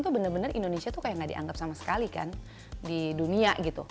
itu indonesia benar benar nggak dianggap sama sekali kan di dunia